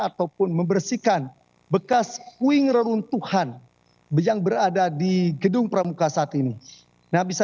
ataupun membersihkan bekas puing reruntuhan yang berada di gedung pramuka saat ini nah bisa